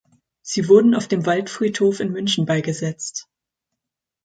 Sie wurde auf dem Waldfriedhof in München beigesetzt.